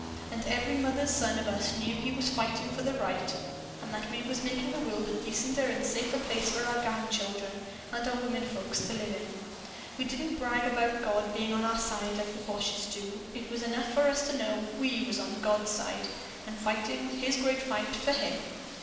And every mother's son of us knew we was fighting for the Right; and that we was making the world a decenter and safer place for our grandchildren and our womenfolks to live in. We didn't brag about God being on our side, like the boches do. It was enough for us to know WE was on GOD'S side and fighting His great fight for Him.